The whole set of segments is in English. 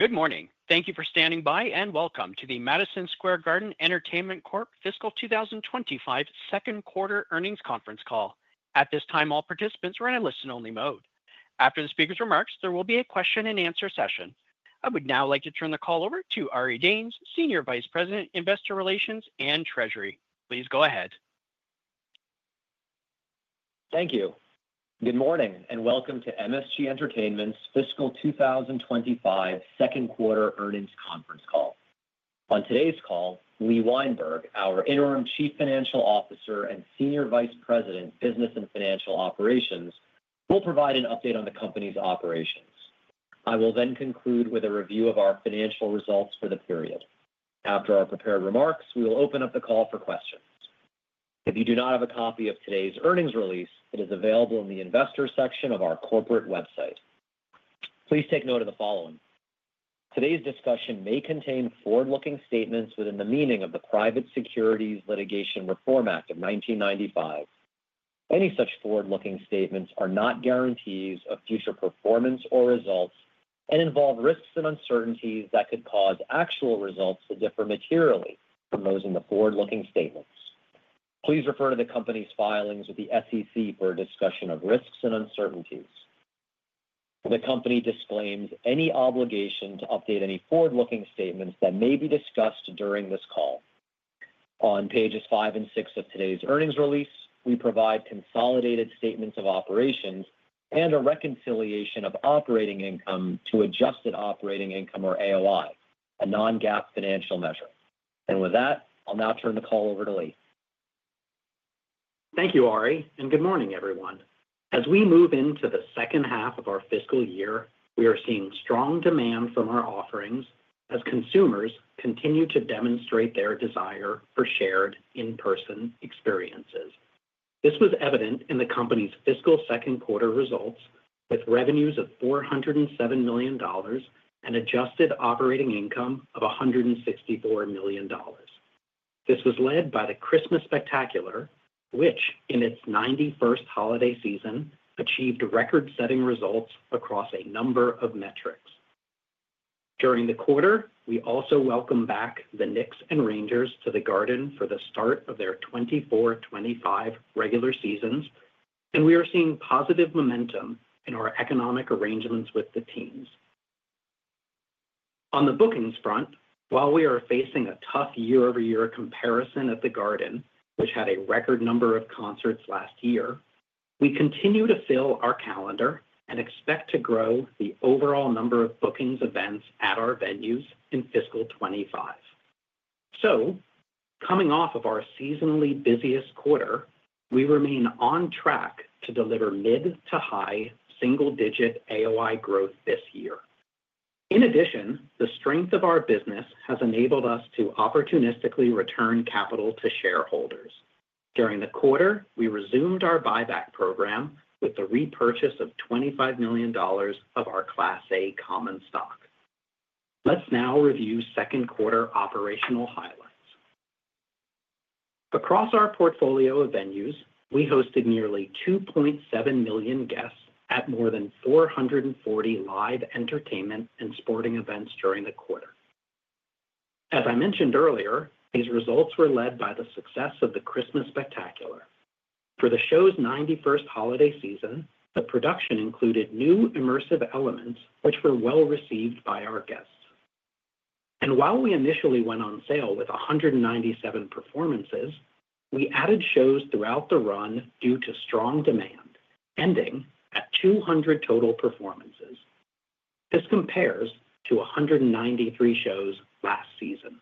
Good morning. Thank you for standing by and welcome to the Madison Square Garden Entertainment Corp. Fiscal 2025 Second Quarter Earnings Conference Call. At this time, all participants are in a listen-only mode. After the speaker's remarks, there will be a question-and-answer session. I would now like to turn the call over to Ari Danes, Senior Vice President, Investor Relations and Treasury. Please go ahead. Thank you. Good morning and welcome to MSG Entertainment's Fiscal 2025 Second Quarter Earnings Conference Call. On today's call, Lee Weinberg, our Interim Chief Financial Officer and Senior Vice President, Business and Financial Operations, will provide an update on the company's operations. I will then conclude with a review of our financial results for the period. After our prepared remarks, we will open up the call for questions. If you do not have a copy of today's earnings release, it is available in the investor section of our corporate website. Please take note of the following: Today's discussion may contain forward-looking statements within the meaning of the Private Securities Litigation Reform Act of 1995. Any such forward-looking statements are not guarantees of future performance or results and involve risks and uncertainties that could cause actual results to differ materially from those in the forward-looking statements. Please refer to the company's filings with the SEC for a discussion of risks and uncertainties. The company disclaims any obligation to update any forward-looking statements that may be discussed during this call. On pages five and six of today's earnings release, we provide consolidated statements of operations and a reconciliation of operating income to adjusted operating income or AOI, a non-GAAP financial measure. And with that, I'll now turn the call over to Lee. Thank you, Ari, and good morning, everyone. As we move into the second half of our fiscal year, we are seeing strong demand from our offerings as consumers continue to demonstrate their desire for shared in-person experiences. This was evident in the company's fiscal second quarter results with revenues of $407 million and adjusted operating income of $164 million. This was led by the Christmas Spectacular, which, in its 91st holiday season, achieved record-setting results across a number of metrics. During the quarter, we also welcomed back the Knicks and Rangers to the Garden for the start of their 2024-2025 regular seasons, and we are seeing positive momentum in our economic arrangements with the teams. On the bookings front, while we are facing a tough year-over-year comparison at the Garden, which had a record number of concerts last year, we continue to fill our calendar and expect to grow the overall number of bookings events at our venues in fiscal 2025. So, coming off of our seasonally busiest quarter, we remain on track to deliver mid to high single-digit AOI growth this year. In addition, the strength of our business has enabled us to opportunistically return capital to shareholders. During the quarter, we resumed our buyback program with the repurchase of $25 million of our Class A common stock. Let's now review second quarter operational highlights. Across our portfolio of venues, we hosted nearly 2.7 million guests at more than 440 live entertainment and sporting events during the quarter. As I mentioned earlier, these results were led by the success of the Christmas Spectacular.For the show's 91st holiday season, the production included new immersive elements, which were well received by our guests. While we initially went on sale with 197 performances, we added shows throughout the run due to strong demand, ending at 200 total performances. This compares to 193 shows last season.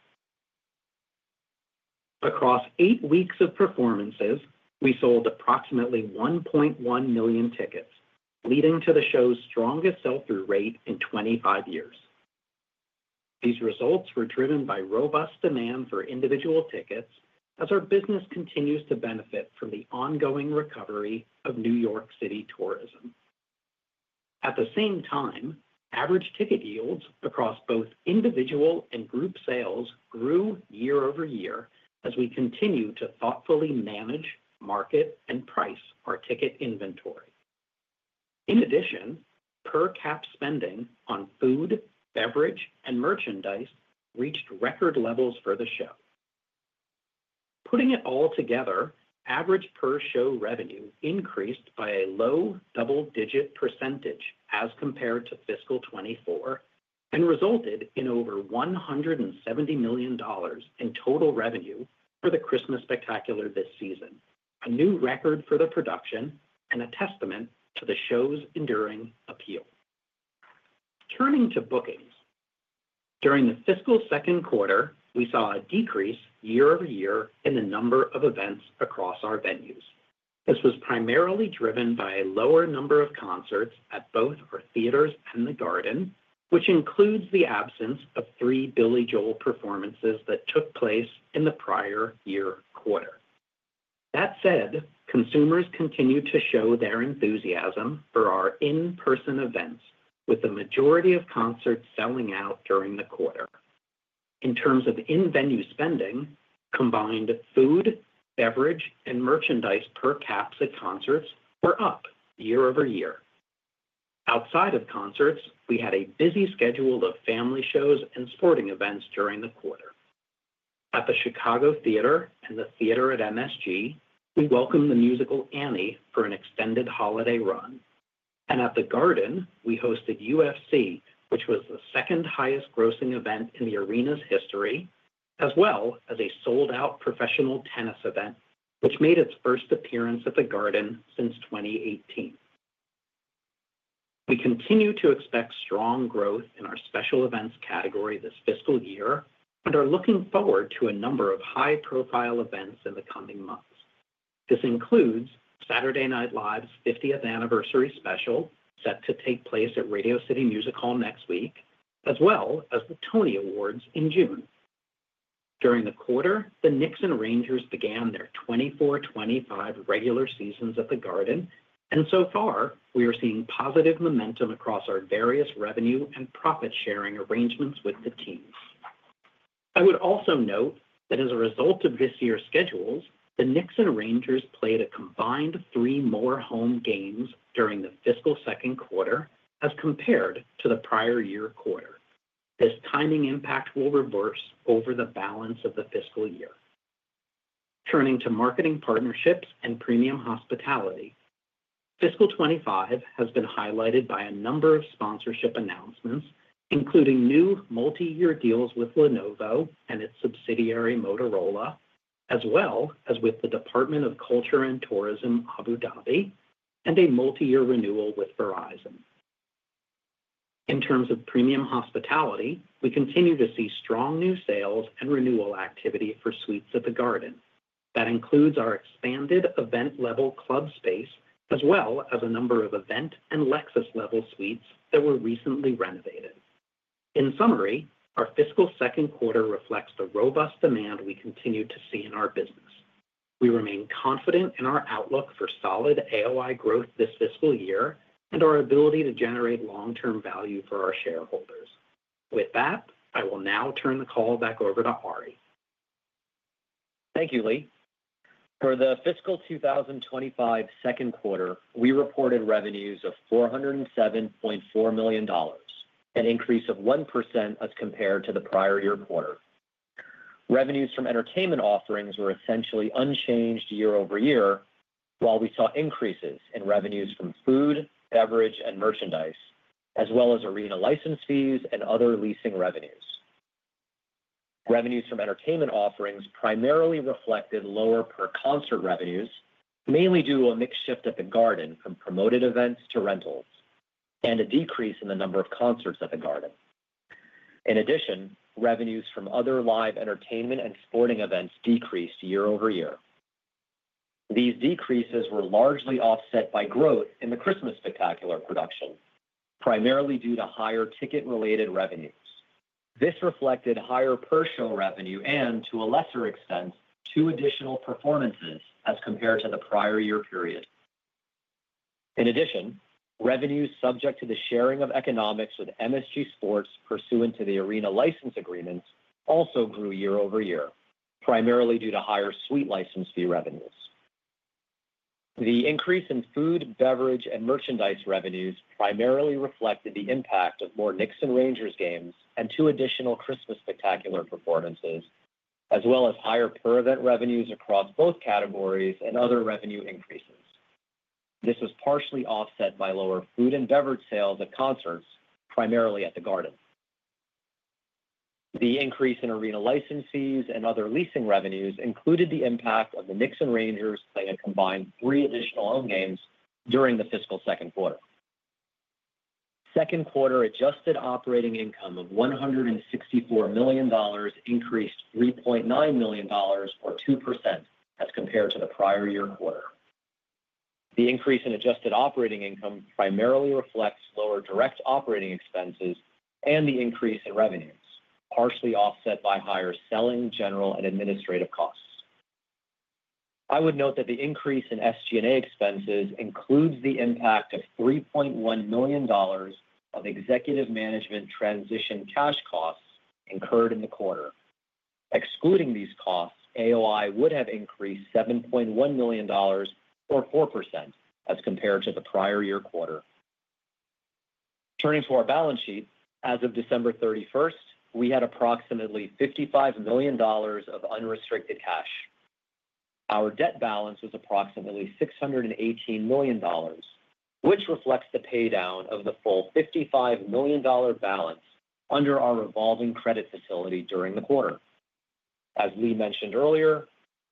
Across eight weeks of performances, we sold approximately 1.1 million tickets, leading to the show's strongest sell-through rate in 25 years. These results were driven by robust demand for individual tickets as our business continues to benefit from the ongoing recovery of New York City tourism. At the same time, average ticket yields across both individual and group sales grew year over year as we continue to thoughtfully manage, market, and price our ticket inventory. In addition, per-cap spending on food, beverage, and merchandise reached record levels for the show. Putting it all together, average per-show revenue increased by a low double-digit % as compared to fiscal 2024 and resulted in over $170 million in total revenue for the Christmas Spectacular this season, a new record for the production and a testament to the show's enduring appeal. Turning to bookings, during the fiscal second quarter, we saw a decrease year over year in the number of events across our venues. This was primarily driven by a lower number of concerts at both our theaters and the Garden, which includes the absence of three Billy Joel performances that took place in the prior year quarter. That said, consumers continue to show their enthusiasm for our in-person events, with the majority of concerts selling out during the quarter. In terms of in-venue spending, combined food, beverage, and merchandise per-caps at concerts were up year over year. Outside of concerts, we had a busy schedule of family shows and sporting events during the quarter. At The Chicago Theatre and The Theater at Madison Square Garden, we welcomed the musical Annie for an extended holiday run. At the Garden, we hosted UFC, which was the second highest-grossing event in the arena's history, as well as a sold-out professional tennis event, which made its first appearance at the Garden since 2018. We continue to expect strong growth in our special events category this fiscal year and are looking forward to a number of high-profile events in the coming months. This includes Saturday Night Live's 50th anniversary special, set to take place at Radio City Music Hall next week, as well as the Tony Awards in June.During the quarter, the Knicks and Rangers began their 2024-2025 regular seasons at the Garden, and so far, we are seeing positive momentum across our various revenue and profit-sharing arrangements with the teams. I would also note that as a result of this year's schedules, the Knicks and Rangers played a combined three more home games during the fiscal second quarter as compared to the prior year quarter. This timing impact will reverse over the balance of the fiscal year. Turning to marketing partnerships and premium hospitality, fiscal 2025 has been highlighted by a number of sponsorship announcements, including new multi-year deals with Lenovo and its subsidiary Motorola, as well as with the Department of Culture and Tourism, Abu Dhabi, and a multi-year renewal with Verizon. In terms of premium hospitality, we continue to see strong new sales and renewal activity for suites at the Garden. That includes our expanded event-level club space, as well as a number of event and Lexus Level suites that were recently renovated. In summary, our fiscal second quarter reflects the robust demand we continue to see in our business. We remain confident in our outlook for solid AOI growth this fiscal year and our ability to generate long-term value for our shareholders. With that, I will now turn the call back over to Ari. Thank you, Lee. For the fiscal 2025 second quarter, we reported revenues of $407.4 million, an increase of 1% as compared to the prior year quarter. Revenues from entertainment offerings were essentially unchanged year over year, while we saw increases in revenues from food, beverage, and merchandise, as well as arena license fees and other leasing revenues. Revenues from entertainment offerings primarily reflected lower per-concert revenues, mainly due to a mixed shift at the Garden from promoted events to rentals, and a decrease in the number of concerts at the Garden. In addition, revenues from other live entertainment and sporting events decreased year over year. These decreases were largely offset by growth in the Christmas Spectacular production, primarily due to higher ticket-related revenues. This reflected higher per-show revenue and, to a lesser extent, two additional performances as compared to the prior year period.In addition, revenues subject to the sharing of economics with MSG Sports pursuant to the arena license agreements also grew year over year, primarily due to higher suite license fee revenues. The increase in food, beverage, and merchandise revenues primarily reflected the impact of more Knicks and Rangers games and two additional Christmas Spectacular performances, as well as higher per-event revenues across both categories and other revenue increases. This was partially offset by lower food and beverage sales at concerts, primarily at the Garden. The increase in arena license fees and other leasing revenues included the impact of the Knicks and Rangers playing a combined three additional home games during the fiscal second quarter. Second quarter adjusted operating income of $164 million increased $3.9 million, or 2%, as compared to the prior year quarter. The increase in adjusted operating income primarily reflects lower direct operating expenses and the increase in revenues, partially offset by higher selling, general, and administrative costs. I would note that the increase in SG&A expenses includes the impact of $3.1 million of executive management transition cash costs incurred in the quarter. Excluding these costs, AOI would have increased $7.1 million, or 4%, as compared to the prior year quarter. Turning to our balance sheet, as of December 31st, we had approximately $55 million of unrestricted cash. Our debt balance was approximately $618 million, which reflects the paydown of the full $55 million balance under our revolving credit facility during the quarter. As Lee mentioned earlier,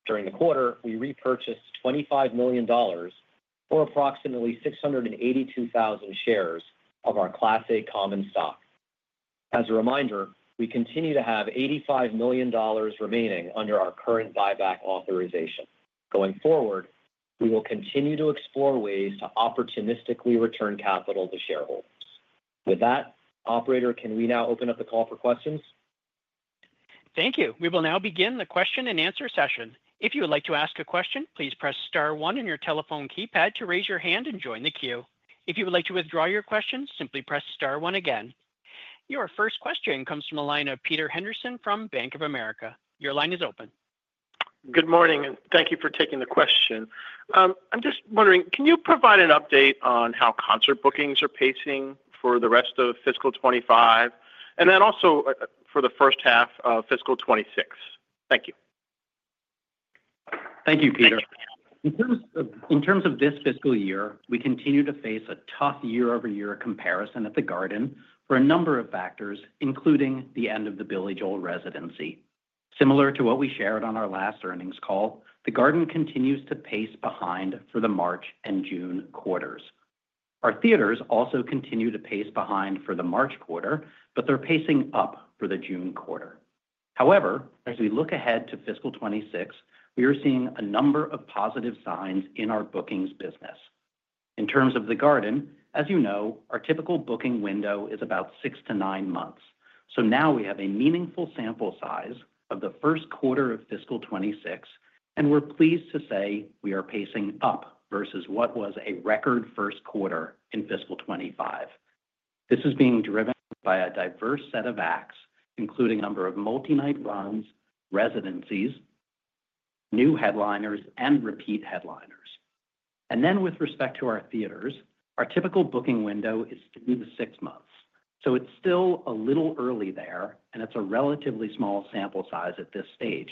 during the quarter, we repurchased $25 million for approximately 682,000 shares of our Class A common stock. As a reminder, we continue to have $85 million remaining under our current buyback authorization. Going forward, we will continue to explore ways to opportunistically return capital to shareholders. With that, Operator, can we now open up the call for questions? Thank you. We will now begin the question-and-answer session. If you would like to ask a question, please press star one on your telephone keypad to raise your hand and join the queue. If you would like to withdraw your question, simply press star one again. Your first question comes from the line of Peter Henderson from Bank of America. Your line is open. Good morning, and thank you for taking the question. I'm just wondering, can you provide an update on how concert bookings are pacing for the rest of fiscal 2025, and then also for the first half of fiscal 2026? Thank you. Thank you, Peter. In terms of this fiscal year, we continue to face a tough year-over-year comparison at the Garden for a number of factors, including the end of the Billy Joel residency. Similar to what we shared on our last Earnings Call, the Garden continues to pace behind for the March and June quarters. Our theaters also continue to pace behind for the March quarter, but they're pacing up for the June quarter. However, as we look ahead to fiscal 2026, we are seeing a number of positive signs in our bookings business. In terms of the Garden, as you know, our typical booking window is about six to nine months. So now we have a meaningful sample size of the first quarter of fiscal 2026, and we're pleased to say we are pacing up versus what was a record first quarter in fiscal 2025. This is being driven by a diverse set of acts, including a number of multi-night runs, residencies, new headliners, and repeat headliners, and then with respect to our theaters, our typical booking window is through the six months, so it's still a little early there, and it's a relatively small sample size at this stage.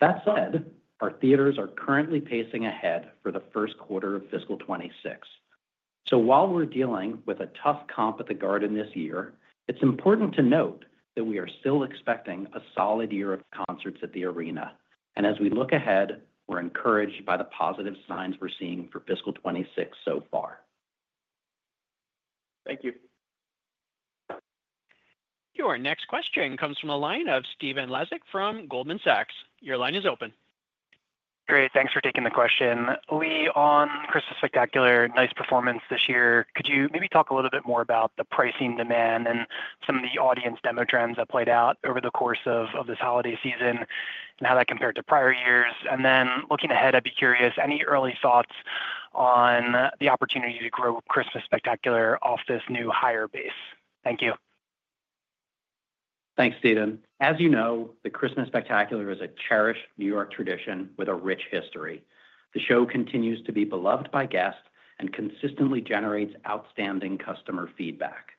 That said, our theaters are currently pacing ahead for the first quarter of fiscal 2026, so while we're dealing with a tough comp at the Garden this year, it's important to note that we are still expecting a solid year of concerts at the arena, and as we look ahead, we're encouraged by the positive signs we're seeing for fiscal 2026 so far. Thank you. Your next question comes from the line of Stephen Laszczyk from Goldman Sachs. Your line is open. Great. Thanks for taking the question. Lee, on Christmas Spectacular, nice performance this year. Could you maybe talk a little bit more about the pricing demand and some of the audience demo trends that played out over the course of this holiday season and how that compared to prior years? And then looking ahead, I'd be curious, any early thoughts on the opportunity to grow Christmas Spectacular off this new higher base? Thank you. Thanks, Stephen. As you know, the Christmas Spectacular is a cherished New York tradition with a rich history. The show continues to be beloved by guests and consistently generates outstanding customer feedback.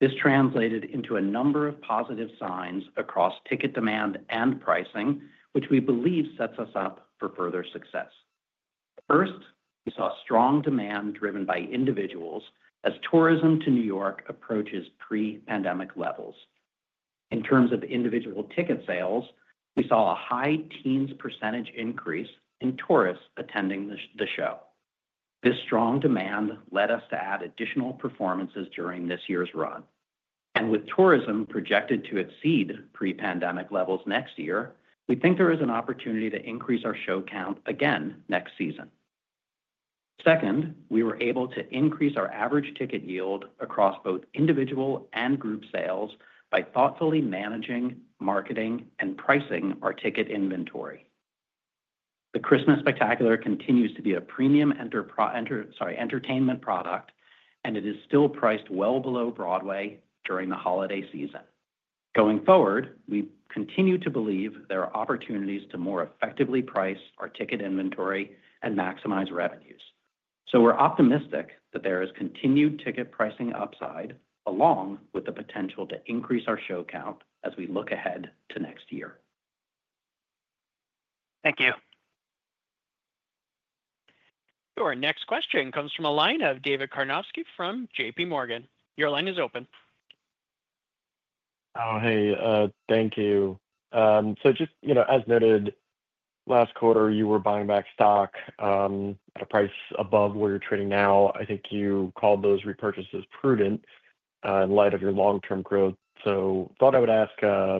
This translated into a number of positive signs across ticket demand and pricing, which we believe sets us up for further success. First, we saw strong demand driven by individuals as tourism to New York approaches pre-pandemic levels. In terms of individual ticket sales, we saw a high teens % increase in tourists attending the show. This strong demand led us to add additional performances during this year's run, and with tourism projected to exceed pre-pandemic levels next year, we think there is an opportunity to increase our show count again next season. Second, we were able to increase our average ticket yield across both individual and group sales by thoughtfully managing, marketing, and pricing our ticket inventory. The Christmas Spectacular continues to be a premium entertainment product, and it is still priced well below Broadway during the holiday season. Going forward, we continue to believe there are opportunities to more effectively price our ticket inventory and maximize revenues, so we're optimistic that there is continued ticket pricing upside, along with the potential to increase our show count as we look ahead to next year. Thank you. Our next question comes from a line of David Karnovsky from JPMorgan. Your line is open. Oh, hey. Thank you. So just, you know, as noted, last quarter, you were buying back stock at a price above where you're trading now. I think you called those repurchases prudent in light of your long-term growth. So thought I would ask for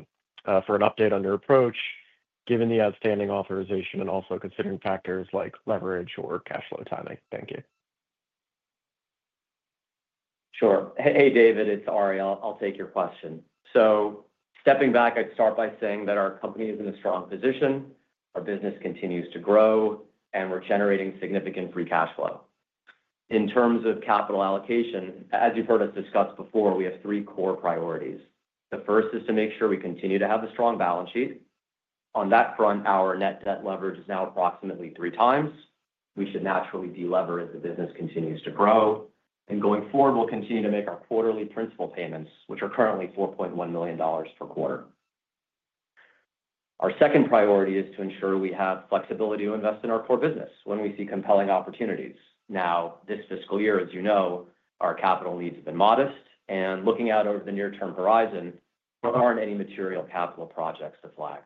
an update on your approach, given the outstanding authorization and also considering factors like leverage or cash flow timing? Thank you. Sure. Hey, David, it's Ari. I'll take your question, so stepping back, I'd start by saying that our company is in a strong position. Our business continues to grow, and we're generating significant free cash flow. In terms of capital allocation, as you've heard us discuss before, we have three core priorities. The first is to make sure we continue to have a strong balance sheet. On that front, our net debt leverage is now approximately three times. We should naturally deleverage as the business continues to grow, and going forward, we'll continue to make our quarterly principal payments, which are currently $4.1 million per quarter. Our second priority is to ensure we have flexibility to invest in our core business when we see compelling opportunities. Now, this fiscal year, as you know, our capital needs have been modest, and looking out over the near-term horizon, there aren't any material capital projects to flag.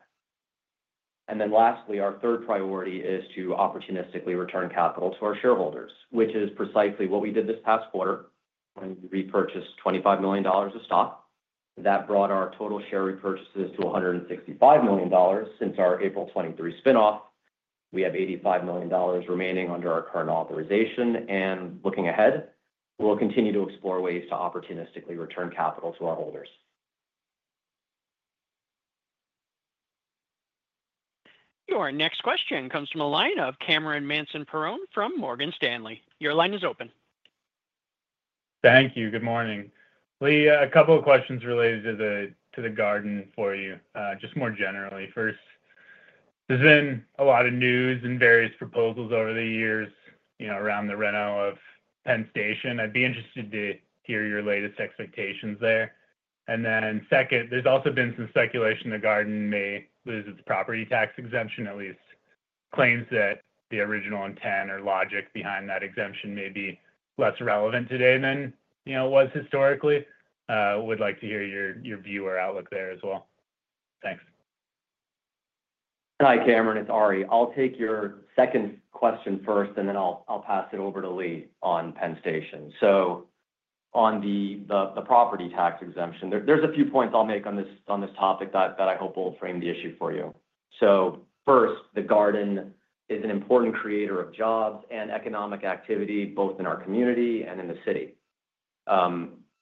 And then lastly, our third priority is to opportunistically return capital to our shareholders, which is precisely what we did this past quarter when we repurchased $25 million of stock. That brought our total share repurchases to $165 million since our April 2023 spinoff. We have $85 million remaining under our current authorization. And looking ahead, we'll continue to explore ways to opportunistically return capital to our holders. Your next question comes from a line of Cameron Mansson-Perrone from Morgan Stanley. Your line is open. Thank you. Good morning. Lee, a couple of questions related to the Garden for you, just more generally. First, there's been a lot of news and various proposals over the years around the renovation of Penn Station. I'd be interested to hear your latest expectations there. And then second, there's also been some speculation the Garden may lose its property tax exemption, at least claims that the original intent or logic behind that exemption may be less relevant today than it was historically. We'd like to hear your view or outlook there as well. Thanks. Hi, Cameron. It's Ari. I'll take your second question first, and then I'll pass it over to Lee on Penn Station. So on the property tax exemption, there's a few points I'll make on this topic that I hope will frame the issue for you. So first, the Garden is an important creator of jobs and economic activity, both in our community and in the city.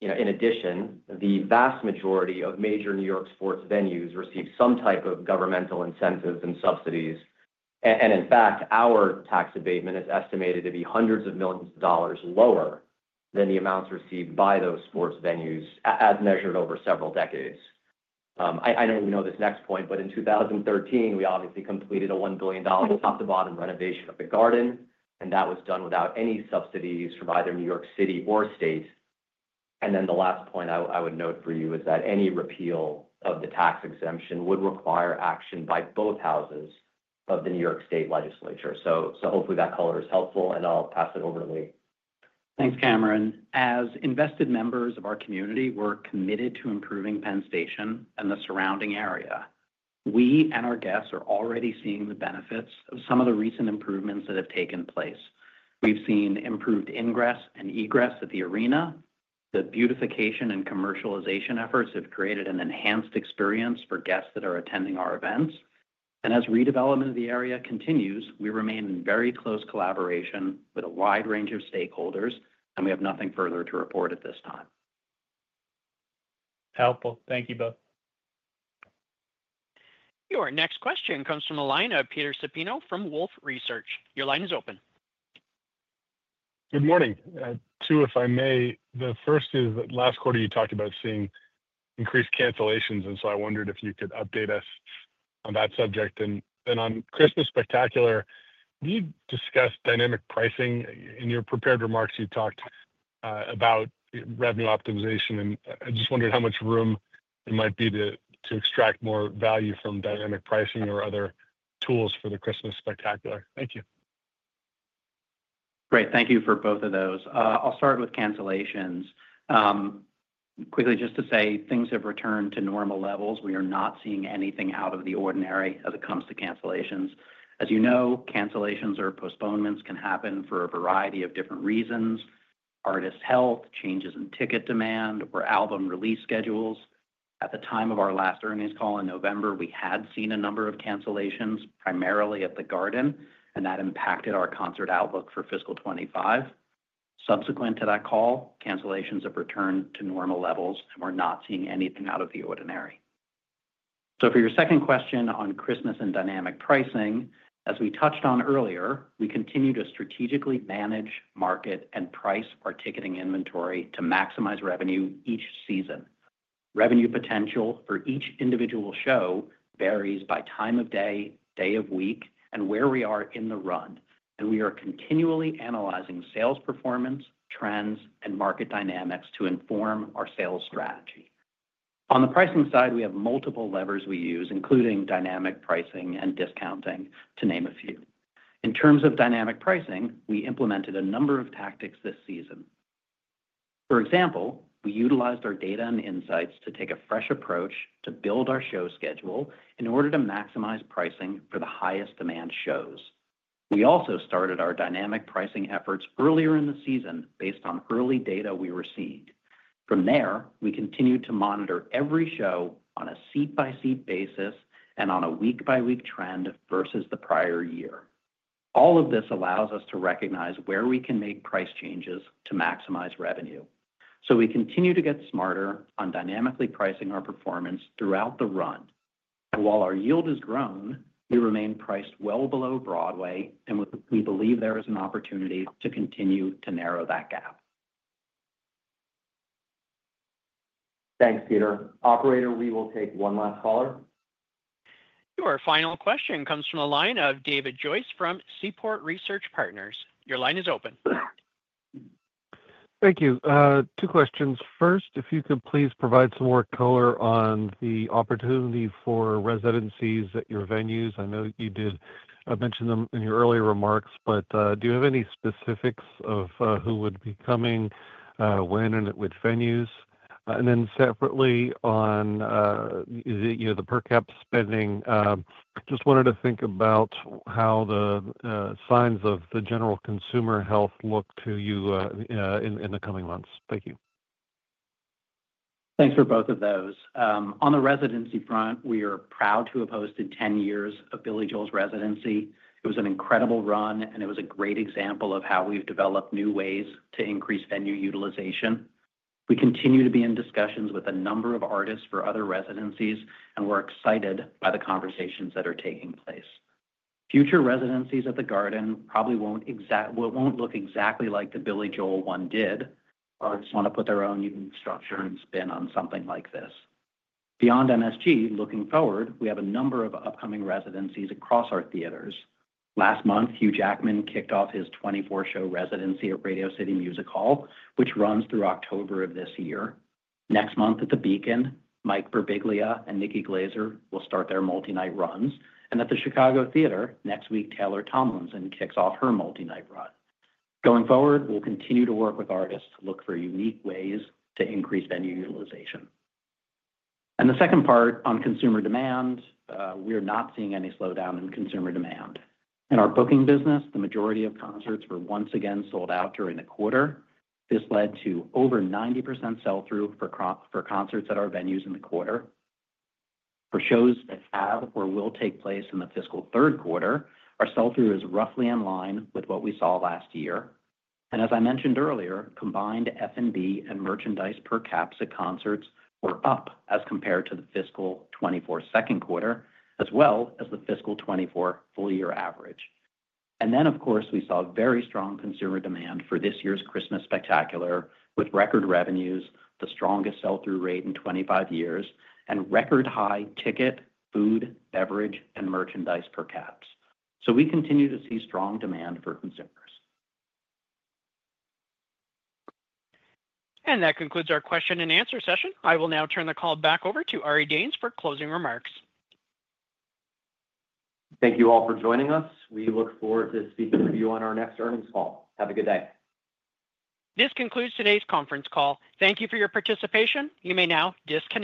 In addition, the vast majority of major New York sports venues receive some type of governmental incentives and subsidies. And in fact, our tax abatement is estimated to be hundreds of millions of dollars lower than the amounts received by those sports venues as measured over several decades. I know we know this next point, but in 2013, we obviously completed a $1 billion top-to-bottom renovation of the Garden, and that was done without any subsidies from either New York City or state. The last point I would note for you is that any repeal of the tax exemption would require action by both houses of the New York State Legislature. Hopefully that color is helpful, and I'll pass it over to Lee. Thanks, Cameron. As invested members of our community, we're committed to improving Penn Station and the surrounding area. We and our guests are already seeing the benefits of some of the recent improvements that have taken place. We've seen improved ingress and egress at the arena. The beautification and commercialization efforts have created an enhanced experience for guests that are attending our events. As redevelopment of the area continues, we remain in very close collaboration with a wide range of stakeholders, and we have nothing further to report at this time. Helpful. Thank you both. Your next question comes from a line of Peter Supino from Wolfe Research. Your line is open. Good morning. Two, if I may. The first is that last quarter, you talked about seeing increased cancellations, and so I wondered if you could update us on that subject, and on Christmas Spectacular, you discussed dynamic pricing. In your prepared remarks, you talked about revenue optimization, and I just wondered how much room there might be to extract more value from dynamic pricing or other tools for the Christmas Spectacular. Thank you. Great. Thank you for both of those. I'll start with cancellations. Quickly, just to say, things have returned to normal levels. We are not seeing anything out of the ordinary as it comes to cancellations. As you know, cancellations or postponements can happen for a variety of different reasons: artist health, changes in ticket demand, or album release schedules. At the time of our last Earnings Call in November, we had seen a number of cancellations, primarily at the Garden, and that impacted our concert outlook for fiscal 2025. Subsequent to that call, cancellations have returned to normal levels, and we're not seeing anything out of the ordinary. So for your second question on Christmas and dynamic pricing, as we touched on earlier, we continue to strategically manage, market, and price our ticketing inventory to maximize revenue each season. Revenue potential for each individual show varies by time of day, day of week, and where we are in the run. And we are continually analyzing sales performance, trends, and market dynamics to inform our sales strategy. On the pricing side, we have multiple levers we use, including dynamic pricing and discounting, to name a few. In terms of dynamic pricing, we implemented a number of tactics this season. For example, we utilized our data and insights to take a fresh approach to build our show schedule in order to maximize pricing for the highest demand shows. We also started our dynamic pricing efforts earlier in the season based on early data we received. From there, we continued to monitor every show on a seat-by-seat basis and on a week-by-week trend versus the prior year. All of this allows us to recognize where we can make price changes to maximize revenue. So we continue to get smarter on dynamically pricing our performance throughout the run. While our yield has grown, we remain priced well below Broadway, and we believe there is an opportunity to continue to narrow that gap. Thanks, Peter. Operator, we will take one last caller. Your final question comes from a line of David Joyce from Seaport Research Partners. Your line is open. Thank you. Two questions. First, if you could please provide some more color on the opportunity for residencies at your venues. I know you did mention them in your earlier remarks, but do you have any specifics of who would be coming, when, and at which venues? And then separately, on the per-cap spending, just wanted to think about how the signs of the general consumer health look to you in the coming months? Thank you. Thanks for both of those. On the residency front, we are proud to have hosted 10 years of Billy Joel's residency. It was an incredible run, and it was a great example of how we've developed new ways to increase venue utilization. We continue to be in discussions with a number of artists for other residencies, and we're excited by the conversations that are taking place. Future residencies at the Garden probably won't look exactly like the Billy Joel one did. Artists want to put their own unique structure and spin on something like this. Beyond MSG, looking forward, we have a number of upcoming residencies across our theaters. Last month, Hugh Jackman kicked off his 24-show residency at Radio City Music Hall, which runs through October of this year. Next month, at the Beacon, Mike Birbiglia and Nikki Glaser will start their multi-night runs. And at the Chicago Theatre, next week, Taylor Tomlinson kicks off her multi-night run. Going forward, we'll continue to work with artists to look for unique ways to increase venue utilization. And the second part on consumer demand, we are not seeing any slowdown in consumer demand. In our booking business, the majority of concerts were once again sold out during the quarter. This led to over 90% sell-through for concerts at our venues in the quarter. For shows that have or will take place in the fiscal third quarter, our sell-through is roughly in line with what we saw last year. And as I mentioned earlier, combined F&B and merchandise per-caps at concerts were up as compared to the Fiscal 2024 second quarter, as well as the Fiscal 2024 full-year average. Then, of course, we saw very strong consumer demand for this year's Christmas Spectacular, with record revenues, the strongest sell-through rate in 25 years, and record high ticket, food, beverage, and merchandise per caps. We continue to see strong demand for consumers. That concludes our question and answer session. I will now turn the call back over to Ari Danes for closing remarks. Thank you all for joining us. We look forward to speaking with you on our next earnings call. Have a good day. This concludes today's Conference Call. Thank you for your participation. You may now disconnect.